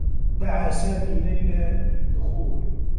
دعى سامي ليلى للدّخول.